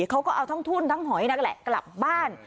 เขาก็เอาทั้งทุ่นทั้งหอยนั่นแหละกลับบ้าน